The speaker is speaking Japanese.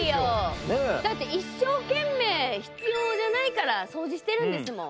だって一生懸命必要じゃないから掃除してるんですもん。